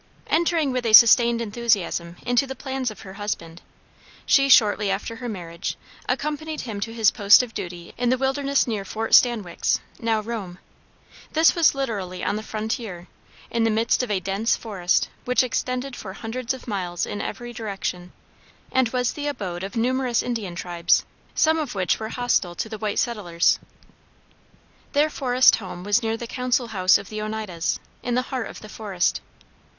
Entering with a sustained enthusiasm into the plans of her husband, she shortly after her marriage, accompanied him to his post of duty in the wilderness near Fort Stanwix now Rome. This was literally on the frontier, in the midst of a dense forest which extended for hundreds of miles in every direction, and was the abode of numerous Indian tribes, some of which were hostile to the white settlers. Their forest home was near the "Council House" of the Oneidas in the heart of the forest.